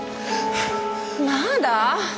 まだ？